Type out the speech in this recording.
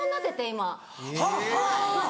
今。